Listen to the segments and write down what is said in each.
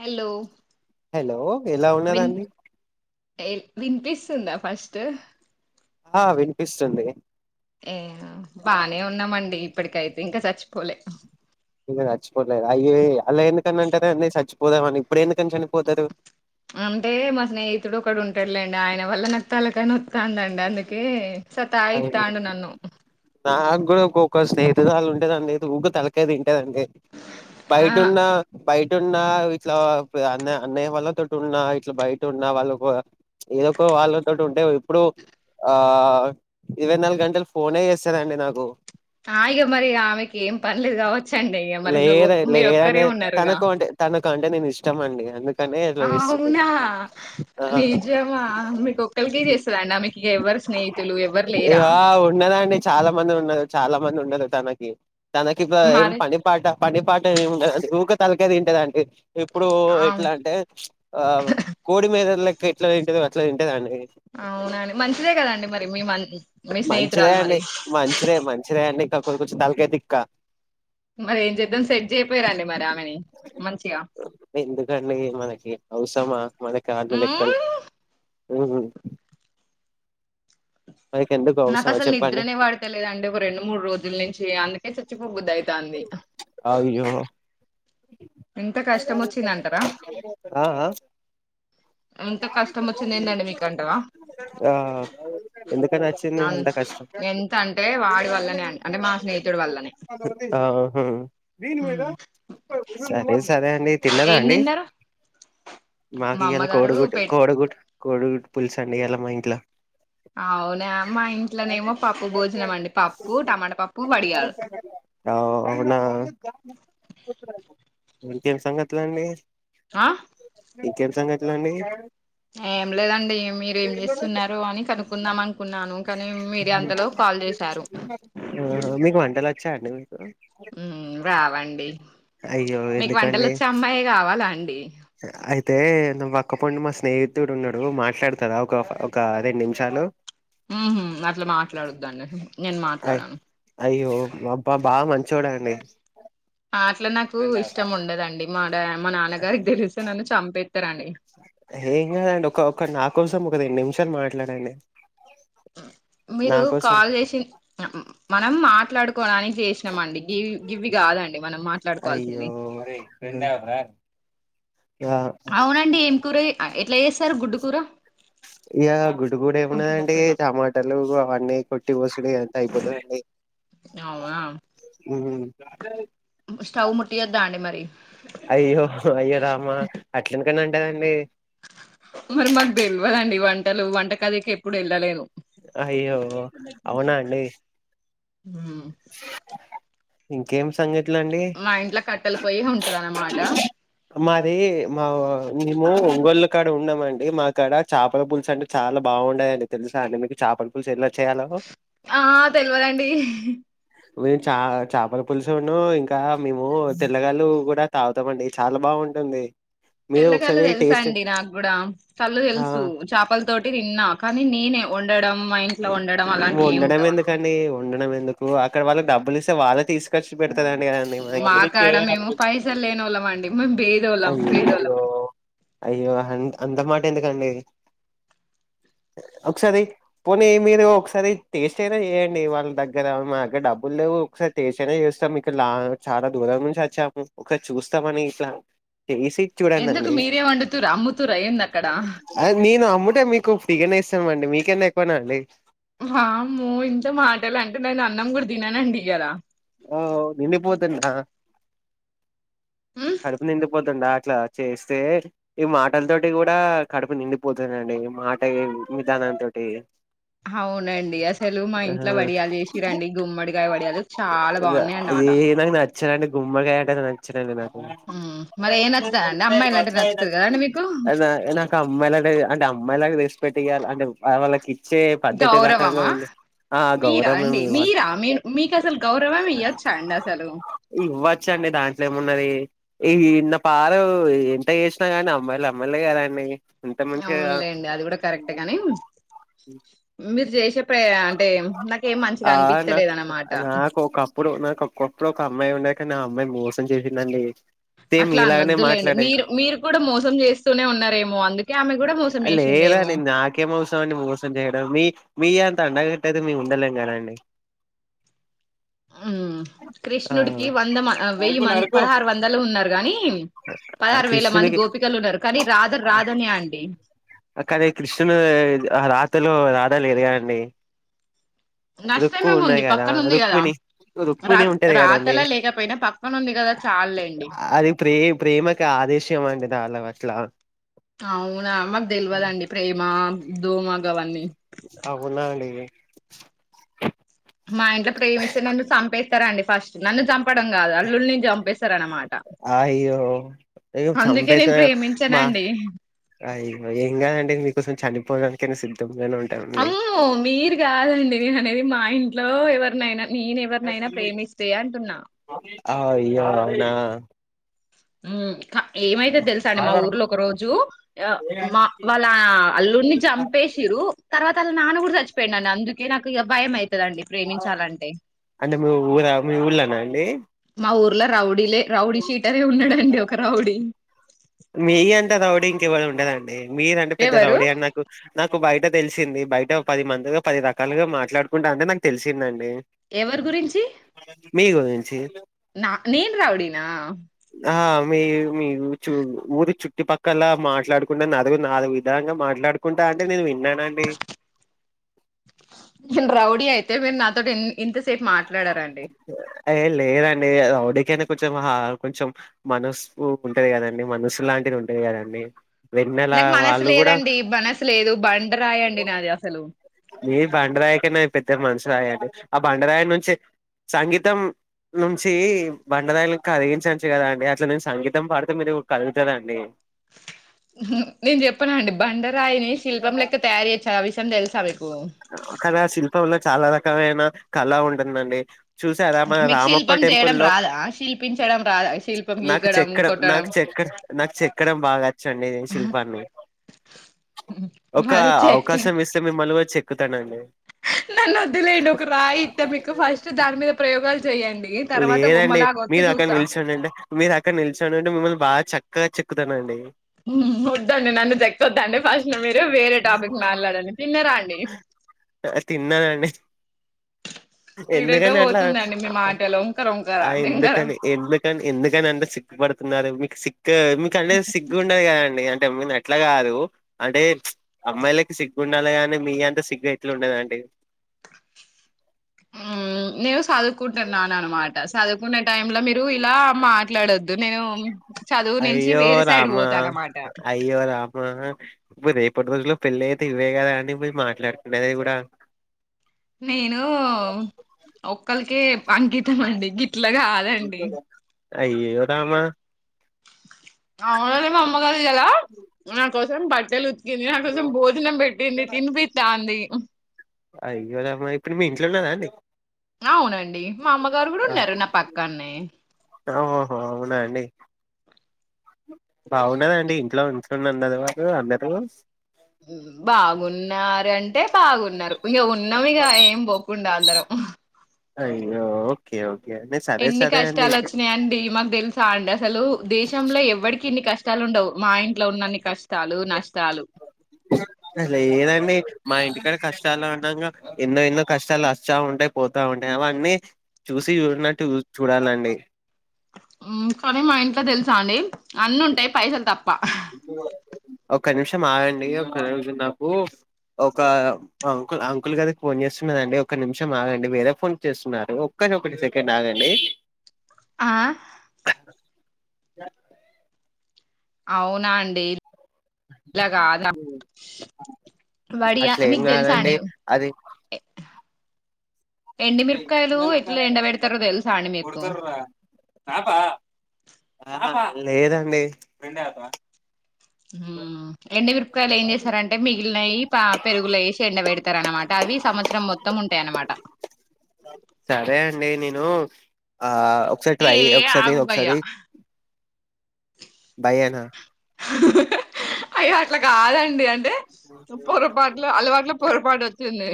Hello hello ఎలా విన్ ఉన్నదండి వినిపిస్తుందా ఫస్ట్ ఆ వినిపిస్తుంది ఏ బానే ఉన్నామండి ఇప్పటికైతే ఇంక సచ్చిపోలే ఇంకా సచ్చిపోలేద అలా ఎందుకంటారు నేన్ సచ్ పోదామని ఇప్పుడు ఎందుకనీ చనిపోతరు అంటే మా స్నేహితుడు ఒకడు ఉంటాడులేండి ఆయన వల్ల తలకై నోత్తదండి అందుకే సతా అయ్యో ఇత్తాండు నన్ను నాకు కూడా ఒక్కొక్క స్నేహితురాళ్లు ఉంటదండి ఊకే తలకైదిం లేదండి ఆ బయటున్న బయట ఉన్న ఇట్లా అన్న అన్నయ్య వాళ్ళతోటి ఉన్నా ఇట్లా బయట ఉన్న వాళ్ళ ఏదో ఒక వాళ్ళతోటి ఉంటే ఇప్పుడు ఆ ఇరవై నాలుగు గంటలు ఫోనేచేస్ దండి నాకు ఆయగ మరి ఆమెకి ఏం పర్లేదు కావచ్ లేద లేదండి ఉన్నారుగా తనకు అంటే తనకు అంటే నేను ఇష్టం అండి అందుకనే లేస్తుంది అవునా నిజమా మీకు ఒక్కలికే చేస్తదండి ఆమెకి ఇగ ఎవ్వరు స్నేహితులు ఎవ్వరు లేరా ఇగ ఉన్నదాండి చాలా మంది ఉన్ చాలా మంది ఉంన్నరు తనకి తనకిప్పులా ఎం మరి పని పాట ఏం ఉండదండి ఊక తలకాయి తింటదండి ఇప్పుడు ఆ ఎట్లా అంటే ఆ కోడి మీదలకి ఎట్లా పోయింటిది ఇట్లా తింటదండి అవునండి మంచిదే కదండి మరి మీ మ మీ మంచిదే స్నేహితురాలు అండి మరి మంచిరే మంచిరే అండి ఇంక కొది కొంచెం తలకాయి దిక్క మరి ఏం చేద్దాం సెట్ చేయపోయరండి మరి ఆమెని మంచిగా ఎందుకండి మనకి అవసరమా మన కాదు లెక్కలు మ్మ్. హా నాకు అవసరమా అసలు చెప్పండి నిద్రనే పడతలేదండి ఒక రెండు మూడు రోజుల నుంచి అందుకే చెప్ కుగుదయి [unintelligible] తాంది అయ్యో వచ్చిందంటారా ఆ ఆ ఎంత కష్టం వచ్చింది ఏందండి మీకు అంటవా ఆ ఎందుక నచ్చింది అన్- ఇంత కష్టం ఎంత అంటే వాడి వల్లనే అండి అంటే మా స్నేహితుడి వల్లనే ఆ హ వీని మీద మ్మ్. సరే సరే అండి తిన్నదా ఏం అండి తిన్నారు మాకు మా ఇయాల అమ్మగారు కోడిగుడ్టు, పె కోడిగుడ్డు కోడిగుడ్డు పులుసండి ఇయాల మా ఇంట్లో అవునా మా ఇంట్లోనేమో పప్పు భోజనం అండి పప్పు టమాట పప్పు వడియాలు అవునా ఇంకేం సంగతులండి ఆ ఇంకేం సంగతులండి ఏం లేదండి మీరేం చేస్తున్నారు అని కనుకుందాం అనుకున్నాను. కానీ మీరె అంతలో కాల్ చేశారు. వచ్చాండి మీకు ఉ రావండి అయ్యో మీకు ఎందుకండి వంటలొచ్చే అమ్మాయే కావాలా అండి అయితే నా పక్కపండు మా స్నేహితుడు ఉన్నడు మాట్లాడుతదా ఒక ఒక రెండు నిమిషాలు ఉ హ్ అట్లా మాట్లాడొద్దండి నేను మాట్లాడను బబ్బా బాగా మంచోడండి అట్లా నాకు ఇష్టం ఉండదండి మాడ మా నాన్నగారికి తెలిసే నన్ను చంపే ఏం కదండి ఒక ఒక నా కోసం ఒక రెండు నిమిషం షాలు మాట్లాడండి నా మీరు కోసం కాల్ చేసి మనం మాట్లాడుకు కోడానికి చేసినాంమండి గివి గివి కాదండి మనం అయ్యో మాట్లాడుకోవాల్సింది ఫ్రెండ్ ఆ రా అవునండి ఏం కూర ఎట్లా చేస్తారు గుడ్డుకు కురా ఇగా గు ఇప్పుడు కూడా ఏన్నాదండి టమాటలు అవన్నీ కొట్టి పోసు ఎంత అయిపోతుందిండి అవునా ఉమ్ స్టవ్ ముట్టియద్దా అండి మరి అయ్యో అయ్యో రామా అట్లానుకండి లెధండి మరి మాకు తెలవాలండి వంటలు వంట కదికి ఎప్పుడు వెళ్ళలేను అయ్యో అవునా అండి ఉమ్ ఇంకేం సంగతులు అండి మా ఇంట్లో కట్టలు పోయి ఉంటదా మాటా ఆ మారి మా మేము ఒంగోళ్లు కాడ ఉన్నామ అండి మాక్కడ చేపల పులుసు అంటే చాలా బాగుండయిండి తెలుసా అండి మీకు చేపల పులుసు ఎలా చేయాలో ఆ తెల్వధండి మేము చా చేపల పులుసును ఇంకా మేము తెల్లగాయలు కూడా తాగుతామండి చాలా బాగుంటుంది మీరు తెల్లకాయలుు ఒకసారి తెలుసా టేస్ట్ అండి నాకుకూడా కళ్ళు ఆ తెలుసు చేపల తోటి నిన్నా కానీ నేనే ఉండడం ఉండడం ఎందుకండి ఉండడం అందుకు అక్కడళ్ళ డబ్బులి ఇస్త వాళ్ళ తీసుకచ్చి పెద్దాడు తారు కండి మా మనాకి కాడ మేము పైసలు లేనోళ్ళం అండి మేము బేదోళ్ళం పేదోళ్ళం అయ్యో అయ్యో అ అంతమాట ఎందుకండి ఒకసారి పోని మీరు ఒక ఒకసారి టేస్ట్ అయినా చేయండి వాళ్ళ దగ్గర మా దగ్గర డబ్బులు లేవు ఒకసారి టేస్ట్ అయినా చేస్తాం మీకులా చాలా దూరం నుంచి వచ్చాము ఒకసారి చూస్తామ అని ఇట్లా చేసి ఎందుకు చూడానుండి మీరే వండుతురా అమ్ముతురా ఏంది అక్కడ అ నేను అము అంటే మీకు పిగనే ఇస్తాంమండి మీకనా ఎక్కువనా అండి వామూ ఇంత మాటలు అంటే నేను అన్నం గుడా తిన్నన్ అండీ ఇయాలా ఓ నిన్న పోతు ఉమ్ కడుపు నిందిపోతుంది ఆ చ చేస్తే ఈ మాటలతోటి కూడా కడుపు నిండిపోతుందండి మాట ఏ విధానంతోటి. అవునండి అసలు మా ఇంట్లో వడియాలు చేసిన్లంది గుమ్మడికాయ వడియాలు. చాలా యా బాగున్నాయి ఇది అన్నమాట నా నాచ్ నచ్చినడి గుమ్మడికాయ అంటే అసల్ నచ్చదిఅండి నక్ ఉమ్, మరి ఏం నచ్చుతదండి అమ్మాయిలంటే నచ్చుతది కదండి మీకు అద నాకు అమ్మాయిలా అంటే అమ్మాయిలా తెస్త పెట్టిేయాలి అంటే వాళ్ళకి ఇచ్చే పద్ధతి రకంగా గౌరవమ్మా ఉండే ఆ మీరా గౌరవం అండి ఇవ్వాలి మీరా మీ మీకు అసలు గౌరవం ఇయ్యొచ్చా అండి అసలు ఇవ్వచ్చండి దాంట్లో ఏమున్నా మరి ఈ ఇన్న పారు ఎంత చేసినా కానీ అమ్మాయిలు అమ్మాయిలు కదండి. ఎంత మంచిగా అవునులేండి అది కూడా కరెక్ట్ గాని మీరు చే [unintelligible] టేమ్ నాకేం మంచిగా అనిపితలేద్ అన్నమాట ఇప్పుడు నాకు ఒక్కప్పుడు ఒక అమ్మాయి ఉండే కానీ ఆ అమ్మాయి మోసం చేసిందండి సేమ్ అట్లా మీలాగనే అన్నద్దులేండి మాట్లాడే మీర్ మీర్ కూడా మోసం చేస్తూనే ఉన్నారేమో అందుక్ అ లెడ్ అండి నాకేం అవసరం అండి మోసం చేయడం మీ మీ అంత అందగా అయితే మేం ఉండలేం కదండి. ఉమ్ ఆ కృష్ణుడికి వంద మ వెయ్యి మంది పదహారు వందలు ఉన్నారు కానీ, ఆ పదహారు వేల మంది కృష్ణునికి గోపికలు ఉన్నారు కానీ రాధ రాధనే అన్ అక్కనీ కృష్ణన్ ఆ రాత్ తొలో రధ లేదు కాదండి రుక్కు ఉన్నాయ్ నష్టమేముంది కదా పక్కనుంది కదా రుక్మిణి రా రుక్మిణి ఉంటది కదాండి. రాతలా లేకపోయినా పక్కనుంది కదా చాలులేండి అది ప్రే ప్రేమకి ఆదేశం అండి [unintelligible] [unintelligible] అవునా మాక్ తెల్వద్ అండి ప్రేమ దోమ గవన్నీ అవున్నానండి మా ఇంట్ల ప్రేమిస్తే నన్ను చంపేస్త సరే అండి ఫస్ట్ నన్ను చంపడం కాదు అల్లుల్ని చంపేస్తారనమాట అయ్యో ఏదో అందుకే నేను చంపేసా మా ప్రేమించనండి అయ్యో ఏం కాదండి మీకోసం చనిపోదం [unintelligible] అమ్మో మీర్ కాదండి నేన్ మా ఇంట్ లో ఎవరినయినా నిన్వరినైనా ప్రేమిస్తే అంటున్నా అవ్వ అవునా మ్ ఏమైతే తెలుసా అండి మా ఊర్లో ఒక రోజుఆ మా వాళ్ళ అల్లుని చంపేసిరు తర్వాత అల్ల నాన్న కూడా చచ్చిపోయిదండి అందుకే నాకు ఇగ భయమయి అంటే మీ ఊర మీ ఊళ్ళన డి ఆ ఊర్లో రౌడీలే రౌడీ శిటరే ఉన్నాడండి ఒక రౌడీ మీ అంత రౌడీ ఇంక ఎవరు ఉండరండి మీర అంటే పెద్ద ఎవరు రౌడీ అని నాకు నాకు బయట తెలిసింది బయట పది మందిలో పది రకాలుగా మాట్లాడుకుంటంటే నాకు తెలిసిందం డి ఎవరి గురించి మీ గురి ంచి నా నేను రౌడీనా ఆ మీ మీరు చు ఊరి చుట్టుపక్కల మాట్లాడుకుంటడా నలుగురు నాాలుగు విధంలుగా మాట్లాడుకుంటంటే నేను విన్నా నిన్ రౌడిీ అయి తే మీరు నాతోటి ఇన్ ఇంతసేపు మాట్లాడారండి ఏ లేదండి అదేవడికైనా కొంచెం ఆ కొంచెం మనసు స్ఫూఉంటది కదండి మనసు లాంటిది ఉంటది కదండి వెన్నెల నాకు మనసు వాళ్ళు కూడా లేదండి మనసు లేదు బం డ రాయండి అసలు మీ బండరాయికనా పెద్ద మనుషురాయండి ఆ బండరాయి నుంచి సంగీతం నుంచి బండరాయని కలిగించచ్చు కదా అండి అట్లా నేను సంగీతం పాడితే మీరు కరుగుతారండి నేను చెప్పన అండి బండరాయిని శిల్పం లెక్క తయారు చేయ్యొచ్చు ఆ విషం తెల్సా మీకు కద శిల్పల్ చాలా రకమైన కళ ఉంటుందండి చూసారా మన మీకు రామప్ప శిల్పం టెంపుల్ చేయడం లో రాదా శిల్పించడం రాదా శిల్పం నాకు గీకడం చెక్కడం కొట్టడం నాకు చెక్క నాకు చెక్కడం బాగా వచ్చండి శిల్పాన్ని ఒక మరి చెక్క అవకాశం ఇస్తే మిమ్మల్ని కూడా చెక్ క్కుతానండి నన్ను వద్దులేండి ఒక రాయి ఇత్తా మీకు ఫస్ట్ దాని మీద ప్రయోగాలు చేయండి తర్వాత లేదండి బొమ్మలాగా వస్తే మీరు అక్కడ చూస్తా నిలిచోని ఉంటే మీరు అక్కడ నిలిచొని ఉండి మిమ్మల్ని బాగా చెక్ చక్కగా చెక్కుతానండి హు ఒద్దాండి నన్ను చెక్కొందండి ఫస్ వేరే వే వేరే టాపిక్ మాట్లాడండి తిన్నరా అండి తిన్నానండి ఎటెటో ఎందుకని అట్లా పోతుందండి మీ మాటలు వంకర వంకర ఆ డెంకర ఎందుకని ఎందుకని ఎందుకని అంత సి పడుతున్నారు మీకు సిగ్ కు మీకు అనేది సిగ్గు ఉండది కదండి ఎట్లా కాదు అంటే చ్ అమ్మాయిలకి సిగ్గుండాలిగానే మీయాంత సిగ్నట్లు ఉండదా అండి. ఊ నేను చదువుకుంటున్నాను అనమాట చదువుకున్న టై లో మీరు ఇలా మాట్లాడొద్దు. నేను చదువు నుంచి అయ్యో వేరే సైడ్ రామా పోతా అన్నమాట అయ్యో రామా ఇప్పు రేపటి రోజులో పెళ్ళ అయితే ఇవే కదా అని మాట్లాడుకునేది కూడా. నేను ఒకరికి అంకితం అండి గి ఇట్లా కాదండి. అయ్యో రామా అవునా మా అమ్మగారుదా కదా కోసం బట్టలుచ్చ ఇది నా కొంచెం భోజనం పెట్టింది తినిపితాంది. అయ్యోరామ ఇప్పుడు మీ ఇంట్లో ఉన్నదా అండి. అవునండి డి మా అమ్మగారు కూడా ఆ. ఉన్నారు నా పక్కన్నె ఓహో అవునా అండి బాగున్నదండి ఇంట్లో ఉంచునిది వారు అందరూ బాగున్నారా అంటే బాగున్నారు ఇక ఉన్నాం ఇక ఏం పోకుండా అ అందర ఊహ అయ్యో ఓకే ఓకే అండి సరే ఎన్ని సరే అండి కష్టాలు వచ్చినాయిండి. మాకు తెలుసా అండి అసలు. దేశంలో ఎవడికి ఇన్ని కష్ట కష్టాలు ఉండవు. మా ఇంట్లో ఉన్న కష్ట అసలు ఏనండి. మా ఇంటికడ కష్టాలు ఉండగా ఎన్నో ఎన్నో కష్టాలు వస్తా ఉంటాయి. పోతా ఉంటాయి అవన్నీ చూసి చూనట్టు చూడాలండి. కొనీ మా ఇంట్లో తెలుసా అండి అన్నీ ఉంటాయి పైసలు తప్ప. అ ఓ ఒక నిమిషం ఆగండి. ఒక రోజు నాకు ఒక అంకుల్ అంకుల్ గది ఫోన్ చేస్తున్నదండి. ఒక నిమిషం ఆగండి వేరే ఫోన్ చేస్తున్నారు. ఒక్కని ఒకటి సెకండ్ ఆగండి. ఆ అవునా అండి అలాగాద వడియా అట్లా ఏం మీకు తెలుసా కాదండి అండి అది ఎండిమిరపకాయలు ఎట్లా ఎండబెడతారో తెలుసా అండి మీకు హ హ లేదండి ఉమ్ ఎండు విరపకాయలు ఏం చేస్తారంటే మిగిలినయి ప పెరుగులో ఏసి ఎండ వెడతారు అనమాట అవి సంవత్సరం మొత్తం ఉంటాయి అన్నమాట సరే అండి నేను ఆ ఒకసారి ఏ ట్రై ఒకసారి నీది ఆగు భయ్యా ఒకసారి భయ్యా నా హహా అయ్యో అట్లా కాదండి పొరపాట్లు అలవాట్ల పొరపాటు వచ్చింది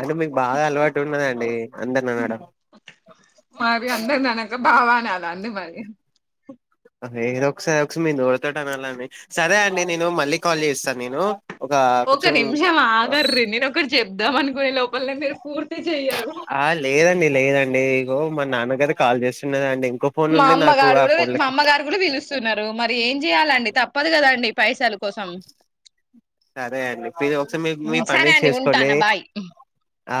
అంటే మీకు బాగా అలవాటు ఉన్నదండి అందరినీ అనడం మరి అందరిని అనక బావా అనాల అండి మరి ఏదొ ఒకసారి ఒకసారి మీరు నోడుతోటి అనాలి అండి సరే అండి నేను మళ్ళీ కాల్ చేస్తాను నేను ఒక నిమిషం ఆగర్రి నేను ఒకటి చెప్ప దాం అనుకునే లోపు మళ్ళ మీరు పూర్తి చెయ్యరు అండి ఇగో మా నాన్నగారు కాల్ చేస్తున్నరండి ఇంకో ఫోన్ మా నుండి నాకు అమ్మగారు ఆ గూడా మా ఫోన్లకి అమ్మగారు గూడా పిలుస్తున్నారు మరి ఏం చెయ్యాలండి తప్పదు కదండి పైసలు కోసం సరే అండి మీరు ఒకసారి మీ సరే పని అండి చేసుకోండి ఉంటాను బాయ్ ఆ